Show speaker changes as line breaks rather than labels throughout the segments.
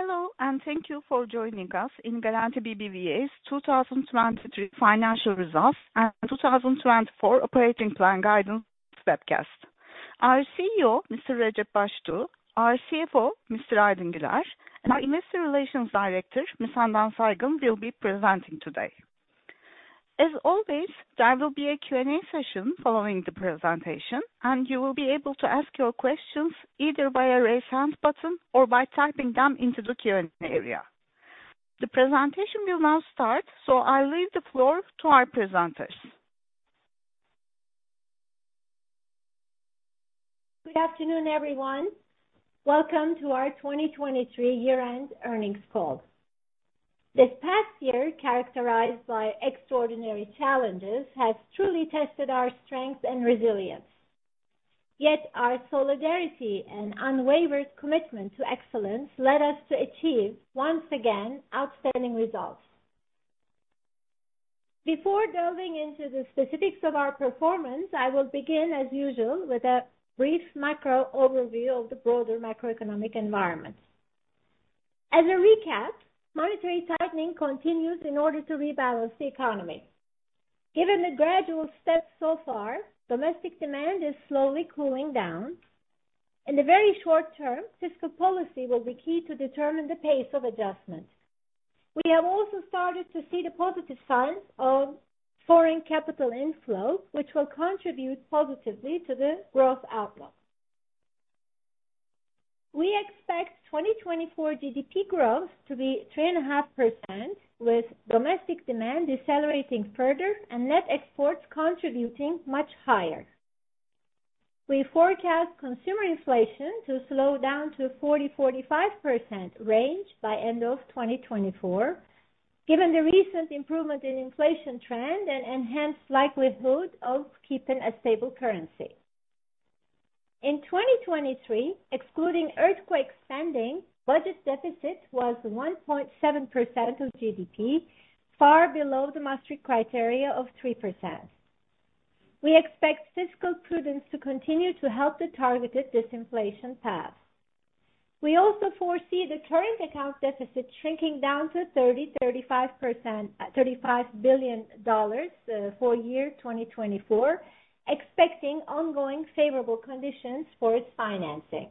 Hello, and thank you for joining us in Garanti BBVA's 2023 financial results and 2024 operating plan guidance webcast. Our CEO, Mr. Recep Baştuğ, our CFO, Mr. Aydın Güler, and our Investor Relations Director, Ms. Handan Saygın, will be presenting today. As always, there will be a Q&A session following the presentation, and you will be able to ask your questions either by a raise hand button or by typing them into the Q&A area. The presentation will now start, so I leave the floor to our presenters.
Good afternoon, everyone. Welcome to our 2023 year-end earnings call. This past year, characterized by extraordinary challenges, has truly tested our strength and resilience. Yet our solidarity and unwavering commitment to excellence led us to achieve, once again, outstanding results. Before delving into the specifics of our performance, I will begin, as usual, with a brief macro overview of the broader macroeconomic environment. As a recap, monetary tightening continues in order to rebalance the economy. Given the gradual steps so far, domestic demand is slowly cooling down. In the very short term, fiscal policy will be key to determine the pace of adjustment. We have also started to see the positive signs of foreign capital inflow, which will contribute positively to the growth outlook. We expect 2024 GDP growth to be 3.5%, with domestic demand decelerating further and net exports contributing much higher. We forecast consumer inflation to slow down to 40%-45% range by end of 2024, given the recent improvement in inflation trend and enhanced likelihood of keeping a stable currency. In 2023, excluding earthquake spending, budget deficit was 1.7% of GDP, far below the Maastricht Criteria of 3%. We expect fiscal prudence to continue to help the targeted disinflation path. We also foresee the current account deficit shrinking down to 30%-35%, $35 billion, for year 2024, expecting ongoing favorable conditions for its financing.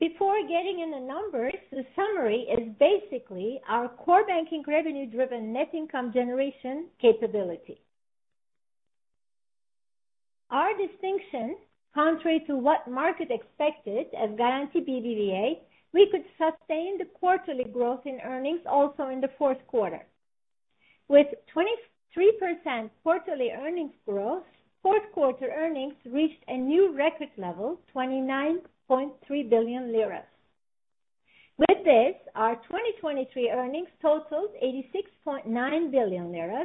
Before getting in the numbers, the summary is basically our core banking revenue-driven net income generation capability. Our distinction, contrary to what market expected, as Garanti BBVA, we could sustain the quarterly growth in earnings also in the fourth quarter. With 23% quarterly earnings growth, fourth quarter earnings reached a new record level, 29.3 billion lira. With this, our 2023 earnings totaled 86.9 billion lira,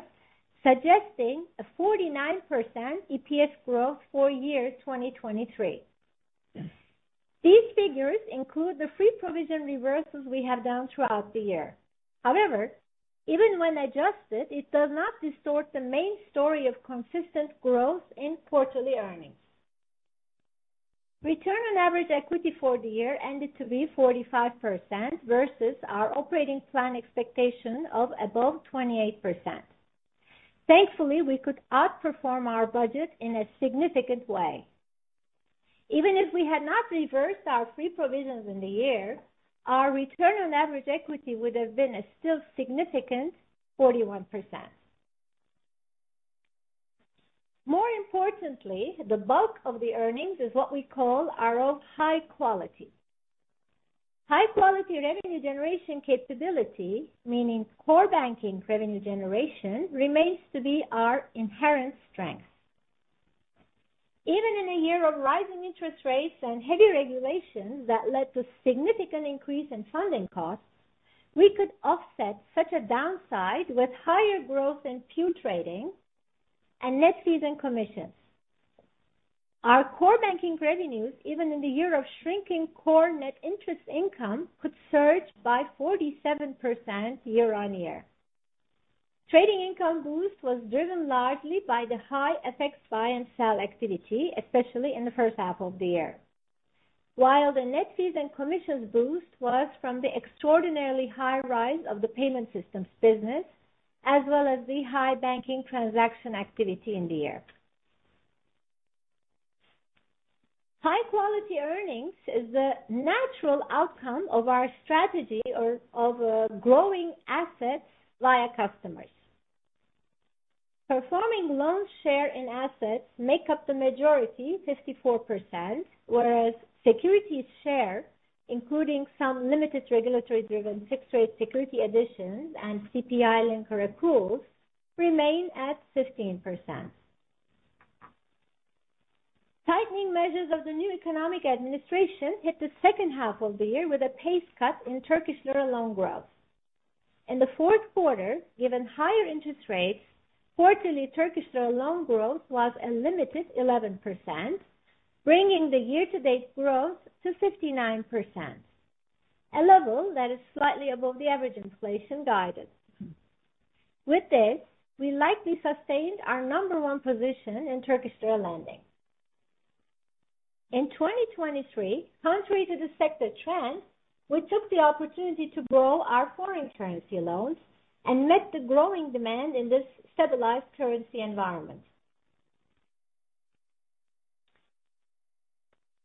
suggesting a 49% EPS growth for year 2023. These figures include the free provision reversals we have done throughout the year. However, even when adjusted, it does not distort the main story of consistent growth in quarterly earnings. Return on average equity for the year ended to be 45% versus our operating plan expectation of above 28%. Thankfully, we could outperform our budget in a significant way. Even if we had not reversed our free provisions in the year, our return on average equity would have been a still significant 41%. More importantly, the bulk of the earnings is what we call are of high quality. High-quality revenue generation capability, meaning core banking revenue generation, remains to be our inherent strength. Even in a year of rising interest rates and heavy regulations that led to significant increase in funding costs, we could offset such a downside with higher growth in fee trading and net fees and commissions. Our core banking revenues, even in the year of shrinking core net interest income, could surge by 47% year-on-year. Trading income boost was driven largely by the high FX buy and sell activity, especially in the first half of the year. While the net fees and commissions boost was from the extraordinarily high rise of the payment systems business, as well as the high banking transaction activity in the year. High-quality earnings is the natural outcome of our strategy of growing assets via customers. Performing loan share in assets make up the majority, 54%, whereas securities share, including some limited regulatory-driven fixed rate security additions and CPI-linked repos, remain at 15%. Tightening measures of the new economic administration hit the second half of the year with a pace cut in Turkish lira loan growth. In the fourth quarter, given higher interest rates, quarterly Turkish lira loan growth was a limited 11%, bringing the year-to-date growth to 59%, a level that is slightly above the average inflation guidance. With this, we likely sustained our number one position in Turkish lira lending. In 2023, contrary to the sector trend, we took the opportunity to grow our foreign currency loans and met the growing demand in this stabilized currency environment.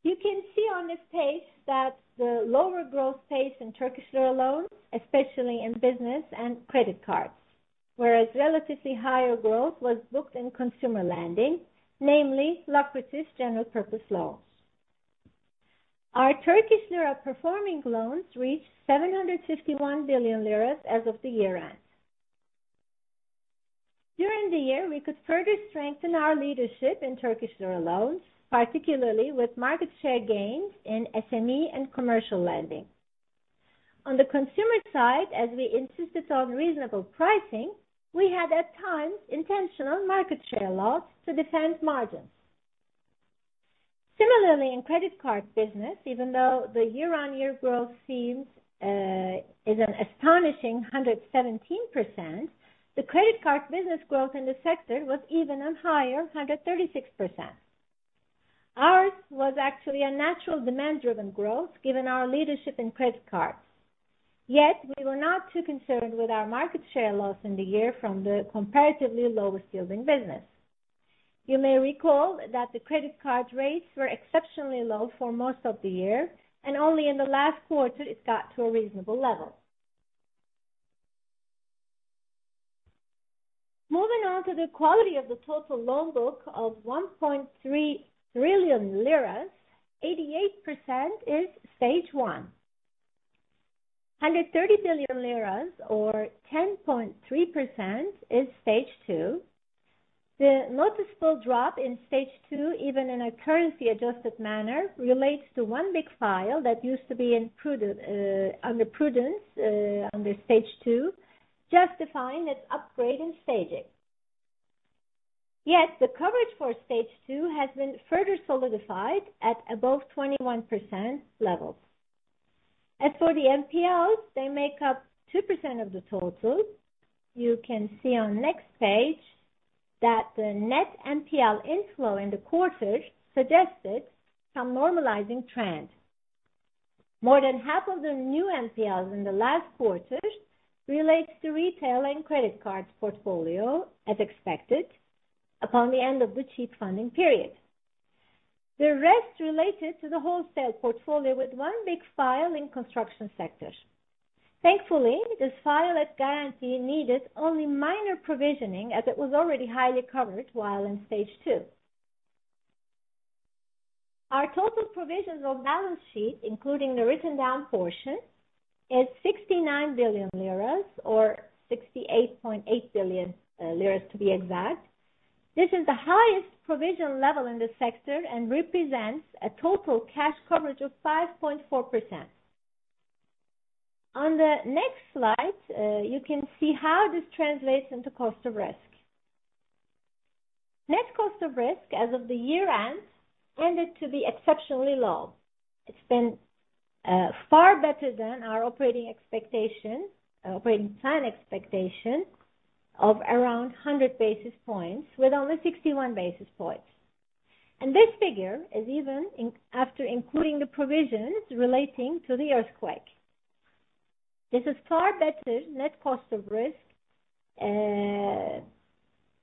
You can see on this page that the lower growth pace in Turkish lira loans, especially in business and credit cards, whereas relatively higher growth was booked in consumer lending, namely general purpose loans. Our Turkish lira performing loans reached 751 billion lira as of the year-end. During the year, we could further strengthen our leadership in Turkish lira loans, particularly with market share gains in SME and commercial lending. On the consumer side, as we insisted on reasonable pricing, we had, at times, intentional market share loss to defend margins. Similarly, in credit card business, even though the year-on-year growth seems is an astonishing 117%, the credit card business growth in the sector was even higher, 136%. Ours was actually a natural demand-driven growth, given our leadership in credit cards. Yet we were not too concerned with our market share loss in the year from the comparatively lower yielding business. You may recall that the credit card rates were exceptionally low for most of the year, and only in the last quarter it got to a reasonable level. Moving on to the quality of the total loan book of 1.3 trillion lira, 88% is Stage One, 130 billion lira, or 10.3% is Stage Two. The noticeable drop in Stage Two, even in a currency-adjusted manner, relates to one big file that used to be in prudent, under prudence, under Stage Two, justifying its upgrade in staging. Yet, the coverage for Stage Two has been further solidified at above 21% levels. As for the NPLs, they make up 2% of the total. You can see on next page that the net NPL inflow in the quarter suggested some normalizing trend. More than half of the new NPLs in the last quarter relates to retail and credit cards portfolio, as expected, upon the end of the cheap funding period. The rest related to the wholesale portfolio, with one big file in construction sector. Thankfully, this file at Garanti needed only minor provisioning, as it was already highly covered while in Stage Two. Our total provisions on balance sheet, including the written down portion, is 69 billion lira, or 68.8 billion lira, to be exact. This is the highest provision level in the sector and represents a total cash coverage of 5.4%. On the next slide, you can see how this translates into cost of risk. Net cost of risk as of the year-end tended to be exceptionally low. It's been far better than our operating expectations, operating plan expectation of around 100 basis points, with only 61 basis points. And this figure is even after including the provisions relating to the earthquake. This is far better net cost of risk.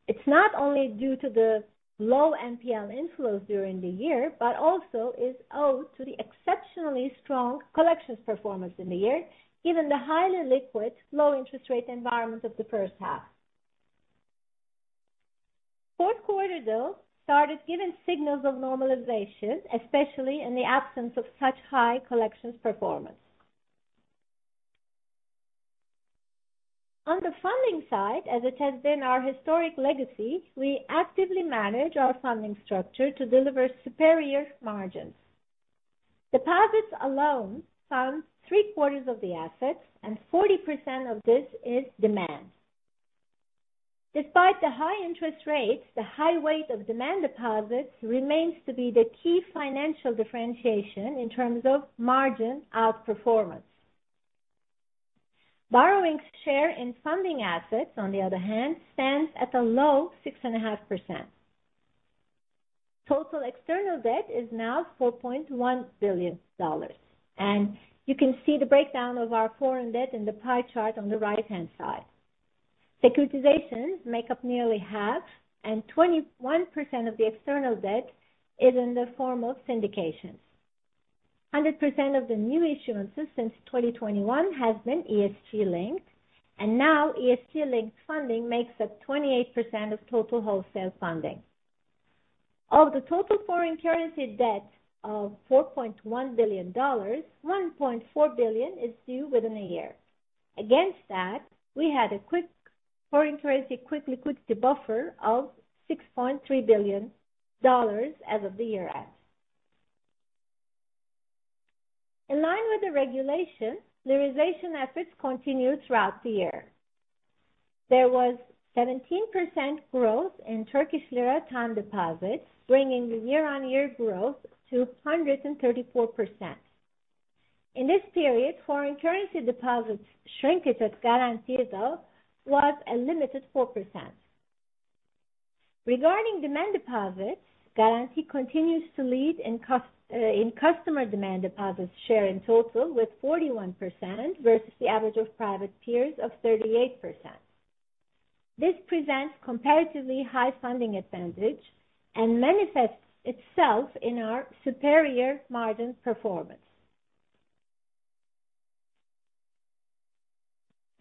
It's not only due to the low NPL inflows during the year, but also is owed to the exceptionally strong collections performance in the year, given the highly liquid, low interest rate environment of the first half. Fourth quarter, though, started giving signals of normalization, especially in the absence of such high collections performance. On the funding side, as it has been our historic legacy, we actively manage our funding structure to deliver superior margins. Deposits alone fund three-quarters of the assets, and 40% of this is demand. Despite the high interest rates, the high weight of demand deposits remains to be the key financial differentiation in terms of margin outperformance. Borrowings share in funding assets, on the other hand, stands at a low 6.5%. Total external debt is now $4.1 billion, and you can see the breakdown of our foreign debt in the pie chart on the right-hand side. Securitizations make up nearly half, and 21% of the external debt is in the form of syndications. 100% of the new issuances since 2021 has been ESG-linked, and now ESG-linked funding makes up 28% of total wholesale funding. Of the total foreign currency debt of $4.1 billion, $1.4 billion is due within a year. Against that, we had a quick, foreign currency, quick liquidity buffer of $6.3 billion as of the year-end. In line with the regulation, lirasation efforts continued throughout the year. There was 17% growth in Turkish lira time deposits, bringing the year-on-year growth to 134%.... In this period, foreign currency deposits shrinkage at Garanti, though, was a limited 4%. Regarding demand deposits, Garanti continues to lead in customer demand deposits share in total, with 41% versus the average of private peers of 38%. This presents comparatively high funding advantage and manifests itself in our superior margin performance.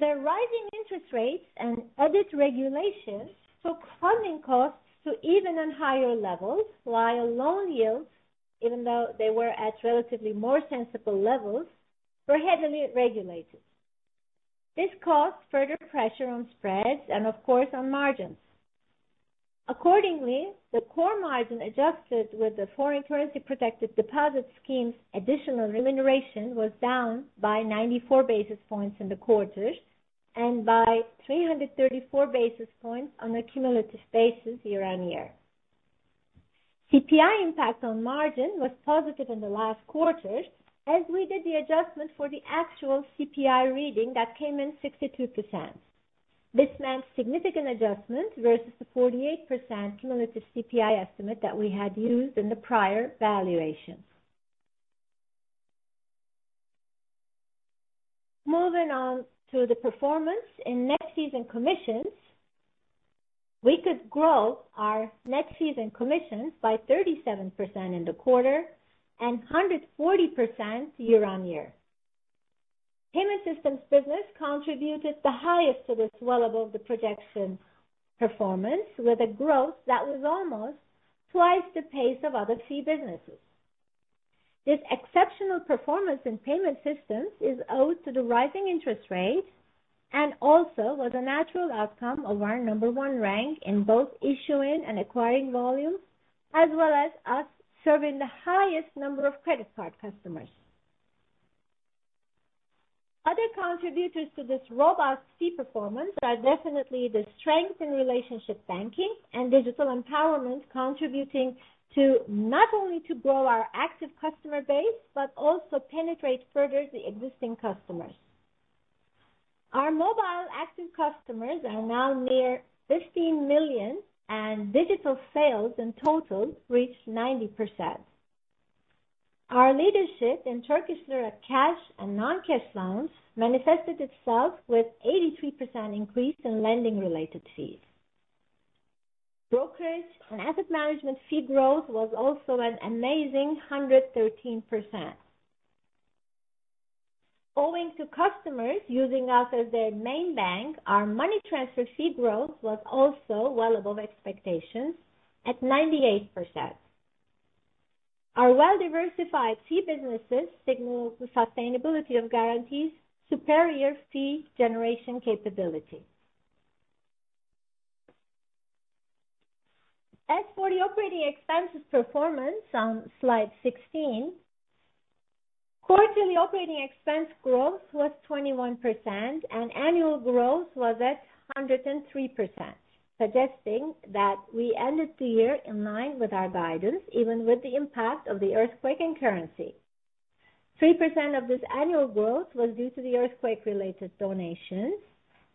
The rising interest rates and edit regulations took funding costs to even higher levels, while loan yields, even though they were at relatively more sensible levels, were heavily regulated. This caused further pressure on spreads and of course, on margins. Accordingly, the core margin, adjusted with the foreign currency protected deposit scheme's additional remuneration, was down by 94 basis points in the quarter and by 334 basis points on a cumulative basis year-on-year. CPI impact on margin was positive in the last quarter, as we did the adjustment for the actual CPI reading that came in 62%. This meant significant adjustments versus the 48% cumulative CPI estimate that we had used in the prior valuation. Moving on to the performance in net fees and commissions, we could grow our net fees and commissions by 37% in the quarter and 140% year-on-year. Payment systems business contributed the highest to the well above the projection performance, with a growth that was almost twice the pace of other fee businesses. This exceptional performance in payment systems is owed to the rising interest rates and also was a natural outcome of our number one rank in both issuing and acquiring volumes, as well as us serving the highest number of credit card customers. Other contributors to this robust fee performance are definitely the strength in relationship banking and digital empowerment, contributing to not only to grow our active customer base, but also penetrate further the existing customers. Our mobile active customers are now near 15 million, and digital sales in total reached 90%. Our leadership in Turkish lira, cash and non-cash loans manifested itself with 83% increase in lending-related fees. Brokerage and asset management fee growth was also an amazing 113%. Owing to customers using us as their main bank, our money transfer fee growth was also well above expectations at 98%. Our well-diversified fee businesses signal the sustainability of Garanti's superior fee generation capability. As for the operating expenses performance on Slide 16, quarterly operating expense growth was 21%, and annual growth was at 103%, suggesting that we ended the year in line with our guidance, even with the impact of the earthquake and currency. 3% of this annual growth was due to the earthquake-related donations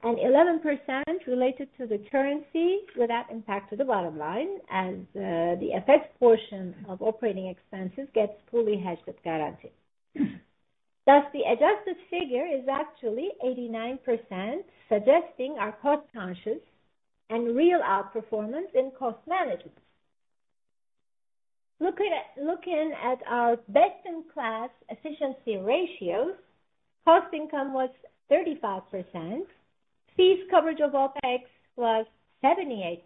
and 11% related to the currency without impact to the bottom line, as, the FX portion of operating expenses gets fully hedged with Garanti. Thus, the adjusted figure is actually 89%, suggesting our cost-conscious and real outperformance in cost management. Looking at, looking at our best-in-class efficiency ratios, cost income was 35%, fees coverage of OpEx was 78%,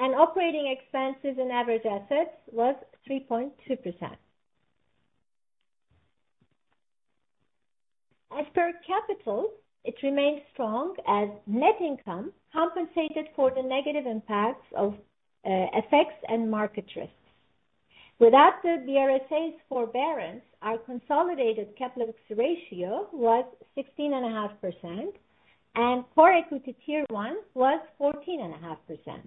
and operating expenses and average assets was 3.2%. As per capital, it remains strong as net income compensated for the negative impacts of FX and market risks. Without the BRSA's forbearance, our consolidated capital ratio was 16.5%, and Core Equity Tier 1 was 14.5%.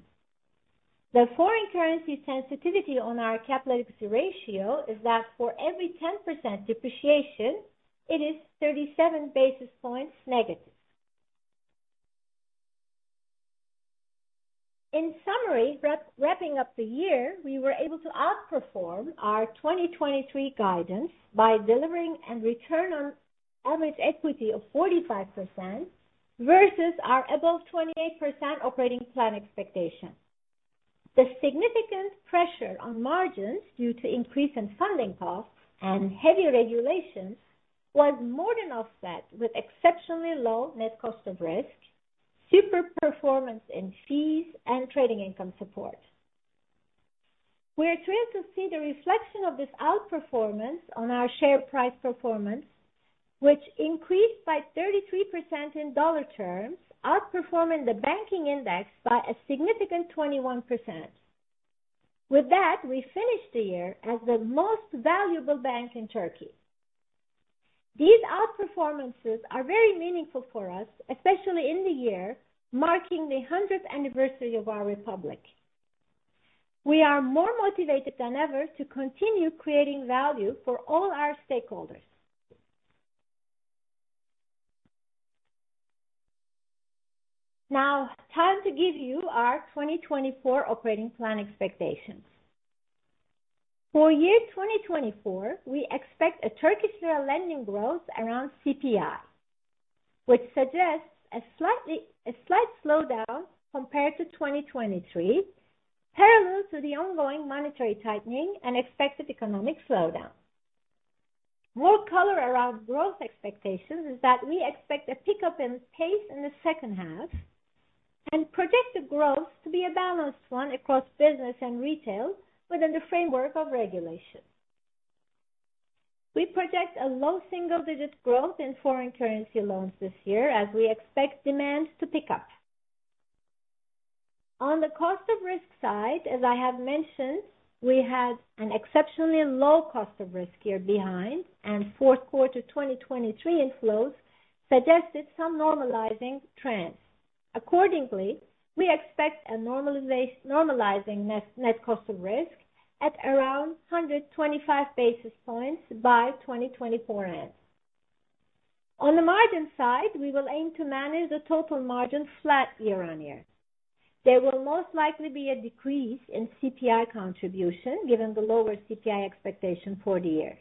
The foreign currency sensitivity on our capital ratio is that for every 10% depreciation, it is 37 basis points negative. In summary, wrapping up the year, we were able to outperform our 2023 guidance by delivering and return on average equity of 45% versus our above 28% operating plan expectation. The significant pressure on margins due to increase in funding costs and heavy regulations was more than offset with exceptionally low net cost of risk, super performance in fees and trading income support. We are thrilled to see the reflection of this outperformance on our share price performance, which increased by 33% in dollar terms, outperforming the banking index by a significant 21%. With that, we finish the year as the most valuable bank in Turkey. These outperformances are very meaningful for us, especially in the year marking the 100th anniversary of our republic.... We are more motivated than ever to continue creating value for all our stakeholders. Now, time to give you our 2024 operating plan expectations. For year 2024, we expect a Turkish lira lending growth around CPI, which suggests a slight slowdown compared to 2023, parallel to the ongoing monetary tightening and expected economic slowdown. More color around growth expectations is that we expect a pickup in pace in the second half, and project the growth to be a balanced one across business and retail within the framework of regulation. We project a low single-digit growth in foreign currency loans this year, as we expect demand to pick up. On the cost of risk side, as I have mentioned, we had an exceptionally low cost of risk year behind, and fourth quarter 2023 inflows suggested some normalizing trends. Accordingly, we expect a normalization, normalizing net cost of risk at around 125 basis points by 2024 end. On the margin side, we will aim to manage the total margin flat year-on-year. There will most likely be a decrease in CPI contribution, given the lower CPI expectation for the year.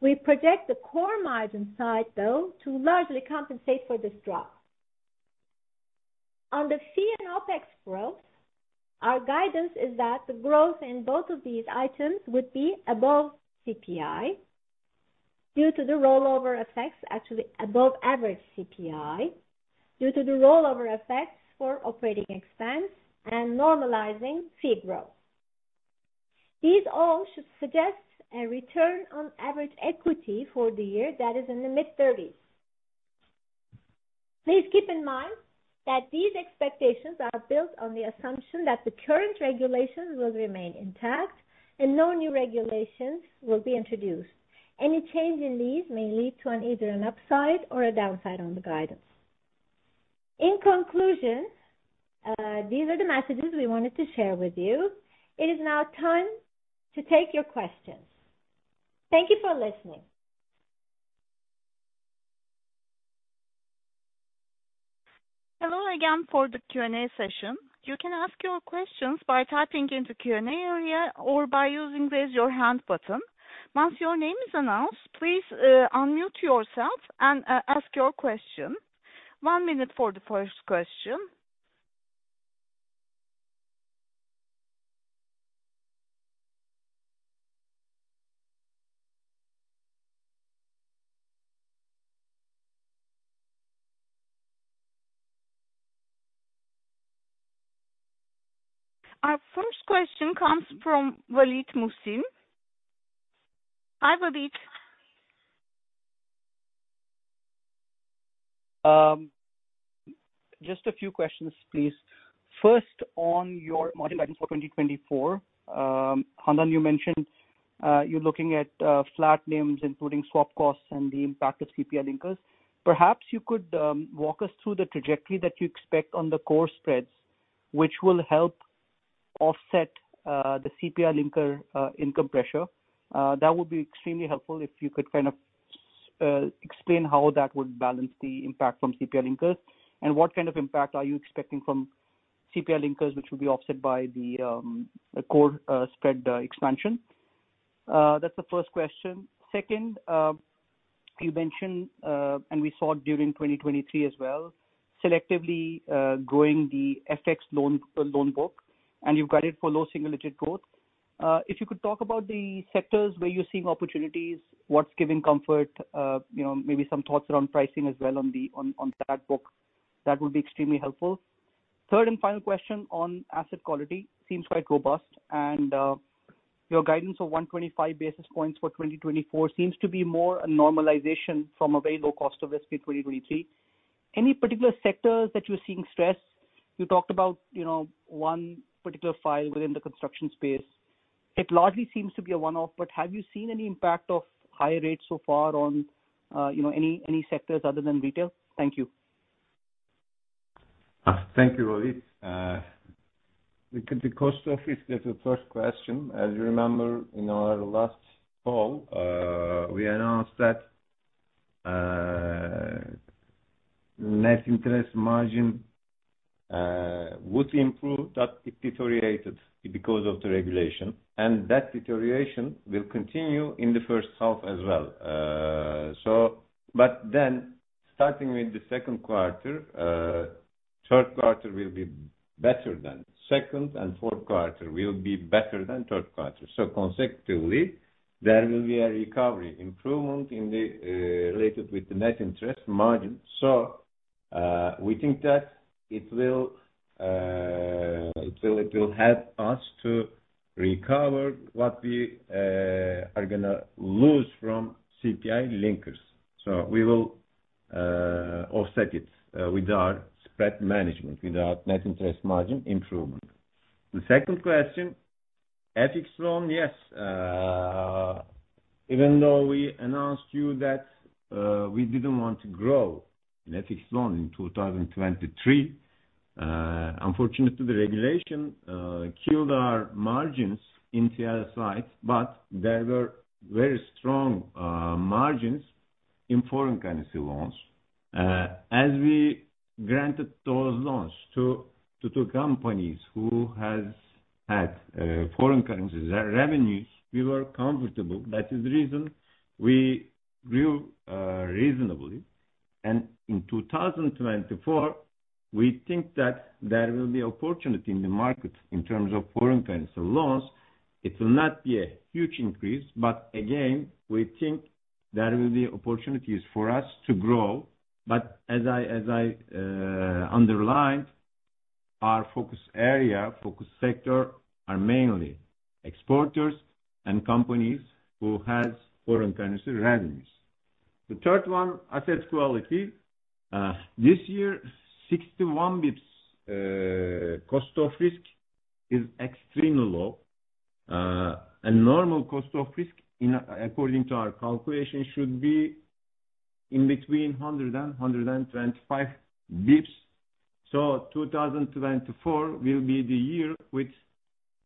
We project the core margin side, though, to largely compensate for this drop. On the fee and OpEx growth, our guidance is that the growth in both of these items would be above CPI, due to the rollover effects-- actually above average CPI, due to the rollover effects for operating expense and normalizing fee growth. These all should suggest a return on average equity for the year that is in the mid-thirties. Please keep in mind that these expectations are built on the assumption that the current regulations will remain intact and no new regulations will be introduced. Any change in these may lead to an either an upside or a downside on the guidance. In conclusion, these are the messages we wanted to share with you. It is now time to take your questions. Thank you for listening.
Hello again for the Q&A session. You can ask your questions by typing in the Q&A area or by using Raise Your Hand button. Once your name is announced, please, unmute yourself and ask your question. One minute for the first question. Our first question comes from Waleed Mohsin. Hi, Waleed.
Just a few questions, please. First, on your margin for 2024, Handan, you mentioned, you're looking at flat NIMs, including swap costs and the impact of CPI linkers. Perhaps you could walk us through the trajectory that you expect on the core spreads, which will help offset the CPI linker income pressure. That would be extremely helpful if you could kind of explain how that would balance the impact from CPI linkers, and what kind of impact are you expecting from CPI linkers, which will be offset by the core spread expansion. That's the first question. Second, you mentioned, and we saw during 2023 as well, selectively growing the FX loan book, and you've guided for low single digit growth. If you could talk about the sectors where you're seeing opportunities, what's giving comfort, you know, maybe some thoughts around pricing as well on that book, that would be extremely helpful. Third and final question on asset quality, seems quite robust, and your guidance of 125 basis points for 2024 seems to be more a normalization from a very low cost of risk in 2023. Any particular sectors that you're seeing stress? You talked about, you know, one particular file within the construction space. It largely seems to be a one-off, but have you seen any impact of higher rates so far on, you know, any sectors other than retail? Thank you.
Thank you, Waleed. The cost of risk is the first question. As you remember, in our last call, we announced that net interest margin would improve, but it deteriorated because of the regulation, and that deterioration will continue in the first half as well. So but then, starting with the second quarter, third quarter will be better than second, and fourth quarter will be better than third quarter. So consecutively, there will be a recovery improvement in the related with the net interest margin. So, we think that it will help us to recover what we are gonna lose from CPI linkers. So we will offset it with our spread management, with our net interest margin improvement. The second question, FX loan, yes. Even though we announced you that we didn't want to grow in FX loans in 2023, unfortunately, the regulation killed our margins in TL side, but there were very strong margins in foreign currency loans. As we granted those loans to two companies who has had foreign currency revenues, we were comfortable. That is the reason we grew reasonably. And in 2024, we think that there will be opportunity in the market in terms of foreign currency loans. It will not be a huge increase, but again, we think there will be opportunities for us to grow. But as I underlined, our focus area, focus sector, are mainly exporters and companies who has foreign currency revenues. The third one, asset quality. This year, 61 basis points cost of risk is extremely low. A normal cost of risk in, according to our calculation, should be between 100 and 125 basis points. So 2024 will be the year with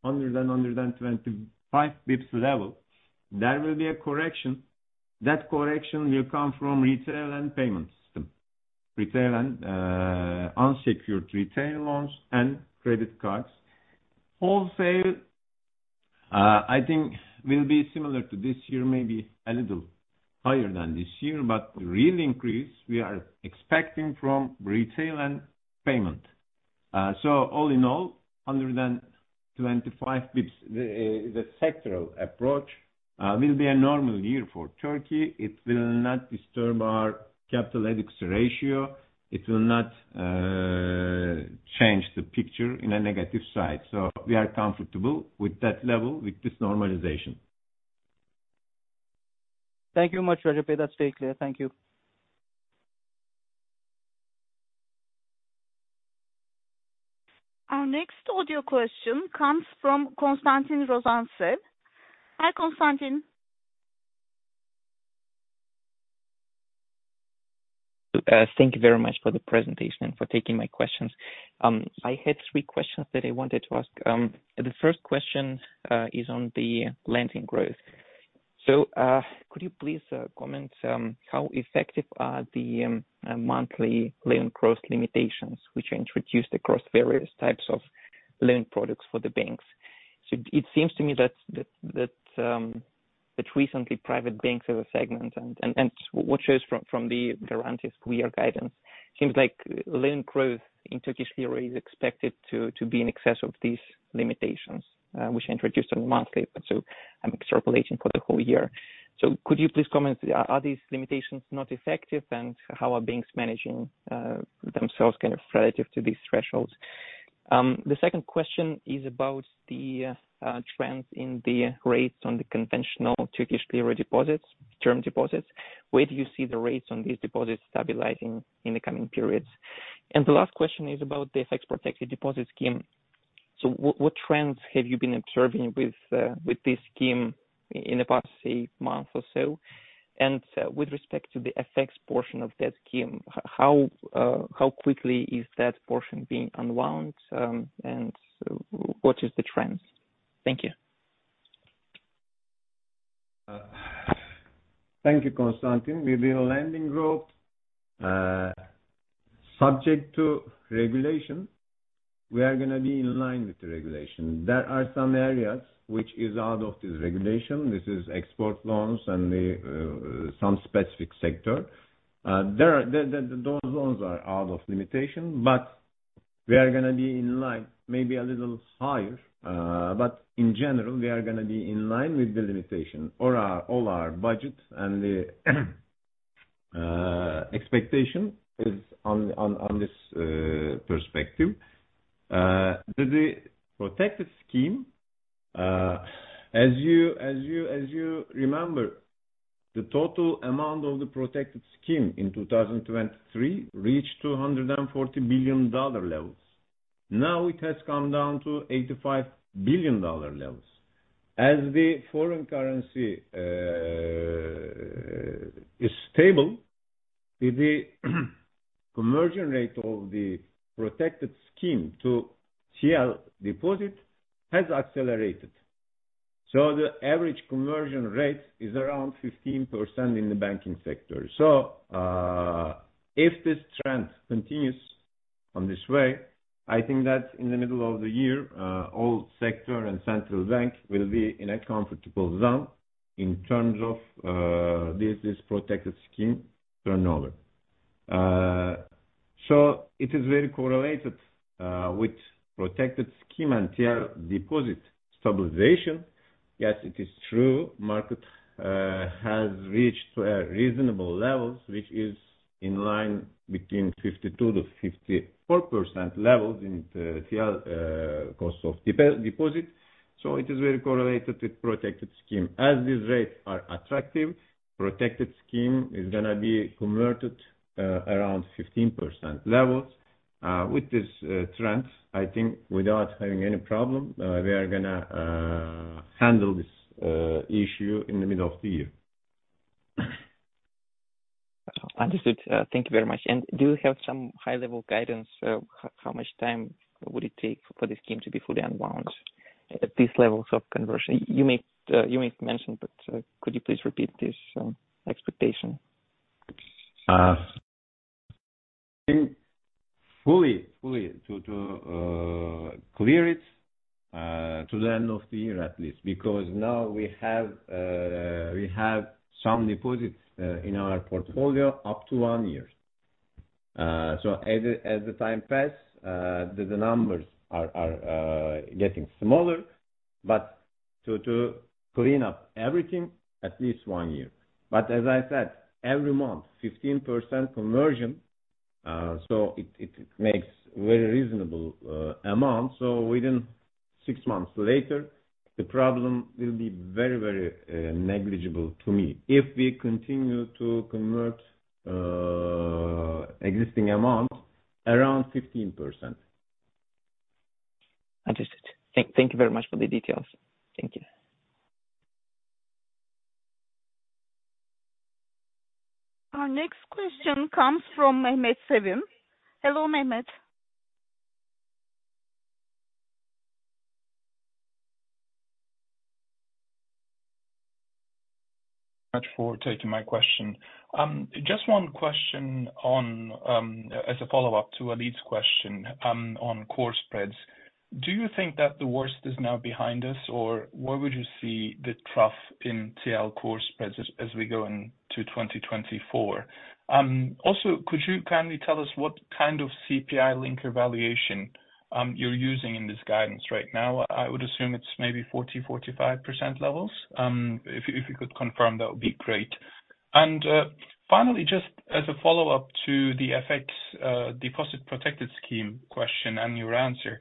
100 and 125 basis points level. There will be a correction. That correction will come from retail and payments, retail and unsecured retail loans and credit cards. Wholesale, I think will be similar to this year, maybe a little higher than this year, but the real increase we are expecting from retail and payment. So all in all, 125 basis points, the sectoral approach will be a normal year for Turkey. It will not disturb our capital adequacy ratio. It will not change the picture in a negative side. So we are comfortable with that level, with this normalization.
Thank you very much, Recep. That's very clear. Thank you.
Our next audio question comes from Konstantin Rozantsev. Hi, Konstantin.
Thank you very much for the presentation and for taking my questions. I had three questions that I wanted to ask. The first question is on the lending growth. So, could you please comment how effective are the monthly loan growth limitations, which are introduced across various types of loan products for the banks? So it seems to me that recently, private banks as a segment and what shows from Garanti's year guidance, seems like loan growth in Turkey is expected to be in excess of these limitations, which are introduced on a monthly, but so I'm extrapolating for the whole year. So could you please comment, are these limitations not effective? And how are banks managing themselves kind of relative to these thresholds? The second question is about the trends in the rates on the conventional Turkish lira deposits, term deposits. Where do you see the rates on these deposits stabilizing in the coming periods? And the last question is about the FX protected deposit scheme. So what trends have you been observing with this scheme in the past eight months or so? And, with respect to the FX portion of that scheme, how quickly is that portion being unwound, and what is the trends? Thank you.
Thank you, Konstantin. With the lending growth, subject to regulation, we are gonna be in line with the regulation. There are some areas which is out of this regulation. This is export loans and the, some specific sector. There are those loans are out of limitation, but we are gonna be in line, maybe a little higher, but in general, we are gonna be in line with the limitation. All our, all our budget and the, expectation is on, on, on this, perspective. The, the protected scheme, as you, as you, as you remember, the total amount of the protected scheme in 2023 reached $240 billion levels. Now it has come down to $85 billion levels. As the foreign currency is stable, the conversion rate of the protected scheme to TL deposit has accelerated. So the average conversion rate is around 15% in the banking sector. So, if this trend continues on this way, I think that in the middle of the year, all sector and central bank will be in a comfortable zone in terms of this protected scheme turnover. So it is very correlated with protected scheme and TL deposit stabilization. Yes, it is true, market has reached to a reasonable levels, which is in line between 52%-54% levels in the TL cost of deposit. So it is very correlated with protected scheme. As these rates are attractive, protected scheme is gonna be converted around 15% levels. With this trend, I think without having any problem, we are gonna handle this issue in the middle of the year.
Understood. Thank you very much. And do you have some high-level guidance, how much time would it take for the scheme to be fully unwound at these levels of conversion? You may, you may mention, but, could you please repeat this, expectation?
I think fully to clear it to the end of the year at least. Because now we have some deposits in our portfolio up to one year. So as the time pass, the numbers are getting smaller, but to clean up everything, at least one year. But as I said, every month, 15% conversion, so it makes very reasonable amount. So within six months later, the problem will be very, very negligible to me, if we continue to convert existing amounts around 15%.
Understood. Thank you very much for the details. Thank you.
Our next question comes from Mehmet Sevim. Hello, Mehmet.
Thanks for taking my question. Just one question on, as a follow-up to Waleed's question, on core spreads. Do you think that the worst is now behind us, or where would you see the trough in TL core spreads as we go into 2024? Also, could you kindly tell us what kind of CPI-linked evaluation you're using in this guidance right now? I would assume it's maybe 40%-45% levels. If you could confirm, that would be great. And, finally, just as a follow-up to the FX deposit protected scheme question and your answer,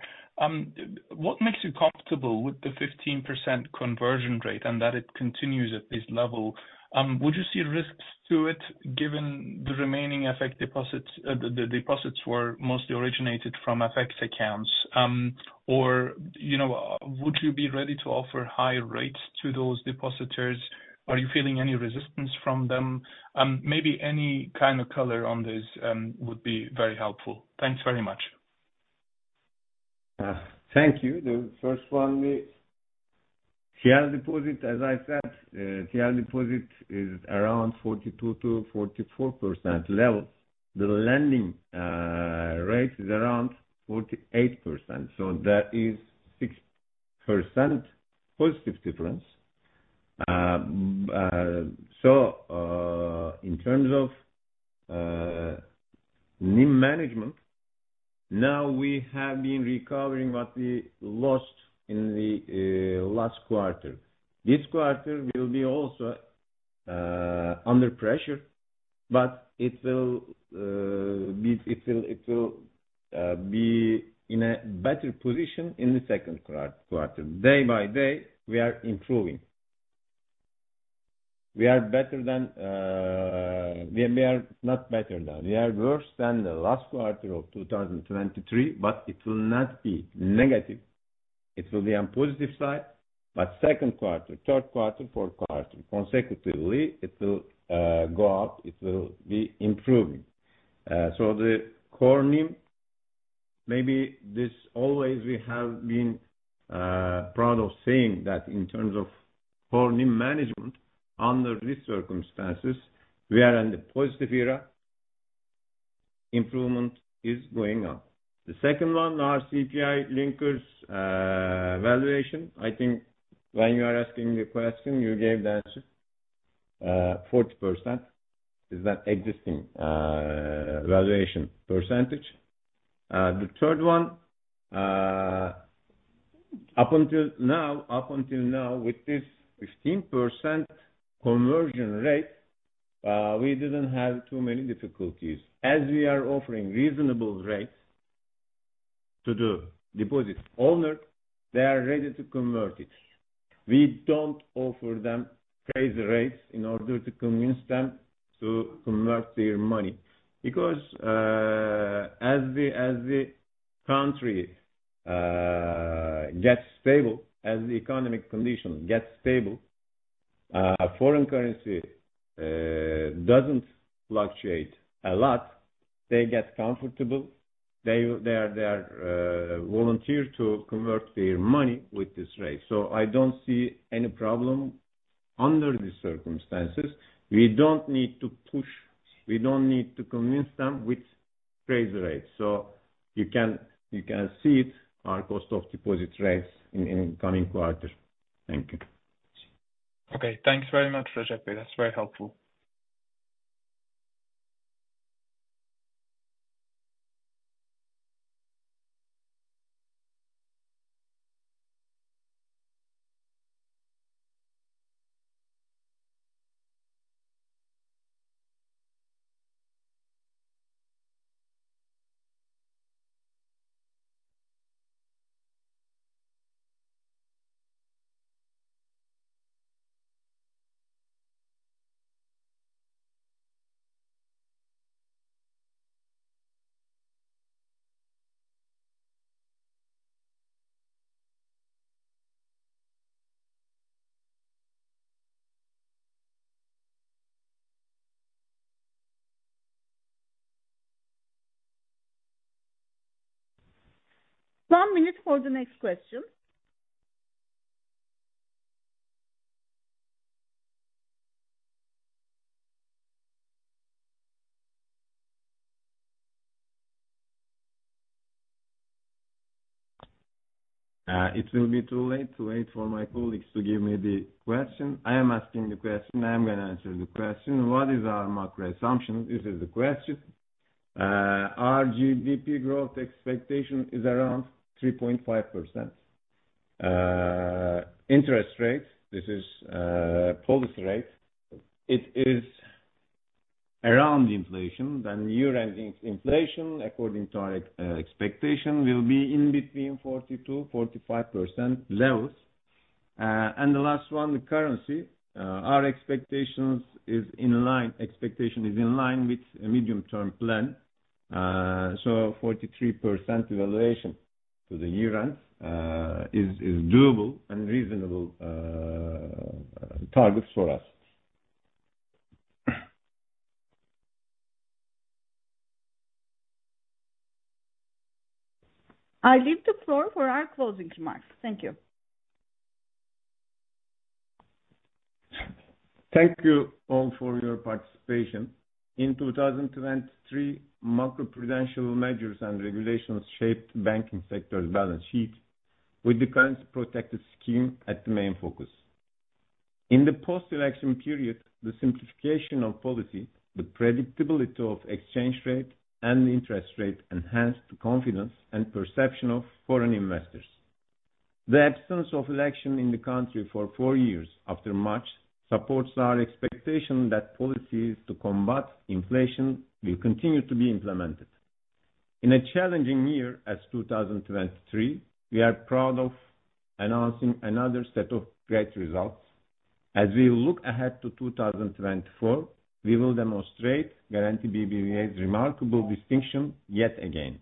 what makes you comfortable with the 15% conversion rate and that it continues at this level? Would you see risks to it, given the remaining FX deposits, the deposits were mostly originated from FX accounts? you know, would you be ready to offer higher rates to those depositors? Are you feeling any resistance from them? Maybe any kind of color on this would be very helpful. Thanks very much.
Thank you. The first one, the TL deposit, as I said, TL deposit is around 42%-44% levels. The lending rate is around 48%, so that is 6% positive difference. So, in terms of, NIM management, now we have been recovering what we lost in the last quarter. This quarter will be also under pressure, but it will be... It will be in a better position in the second quarter. Day by day, we are improving. We are better than, we are, we are not better than, we are worse than the last quarter of 2023, but it will not be negative. It will be on positive side, but second quarter, third quarter, fourth quarter, consecutively, it will go up, it will be improving. So the core NIM, maybe this always we have been, proud of saying that in terms of core NIM management, under these circumstances, we are in the positive era. Improvement is going on. The second one, our CPI linkers, valuation. I think when you are asking the question, you gave the answer. 40% is an existing, valuation percentage. The third one, up until now, up until now, with this 15% conversion rate, we didn't have too many difficulties. As we are offering reasonable rates to the deposit owner, they are ready to convert it. We don't offer them crazy rates in order to convince them to convert their money. Because, as the country gets stable, as the economic condition gets stable, foreign currency doesn't fluctuate a lot, they get comfortable, they are volunteer to convert their money with this rate. So I don't see any problem under these circumstances. We don't need to push, we don't need to convince them with crazy rates. So you can see it, our cost of deposit rates in the coming quarter. Thank you.
Okay, thanks very much, Recep. That's very helpful.
One minute for the next question.
It will be too late to wait for my colleagues to give me the question. I am asking the question, I am going to answer the question: What is our macro assumption? This is the question. Our GDP growth expectation is around 3.5%. Interest rates, policy rate, it is around inflation. Then year-ending inflation, according to our expectation, will be in between 40%-45% levels. And the last one, the currency. Our expectation is in line with a medium-term plan. So 43% devaluation to the year-end is doable and reasonable targets for us.
I leave the floor for our closing remarks. Thank you.
Thank you all for your participation. In 2023, macroprudential measures and regulations shaped banking sector's balance sheet, with the currency protected scheme at the main focus. In the post-election period, the simplification of policy, the predictability of exchange rate and interest rate enhanced the confidence and perception of foreign investors. The absence of election in the country for four years after March, supports our expectation that policies to combat inflation will continue to be implemented. In a challenging year as 2023, we are proud of announcing another set of great results. As we look ahead to 2024, we will demonstrate Garanti BBVA's remarkable distinction yet again.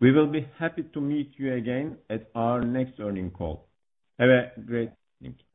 We will be happy to meet you again at our next earnings call. Have a great day. Thank you.